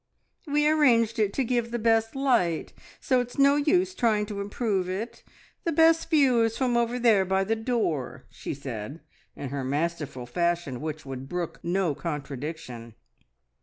"We arranged it to give the best light, so it's no use trying to improve it. The best view is from over there by the door," she said in her masterful fashion which would brook no contradiction.